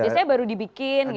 biasanya baru dibikin gitu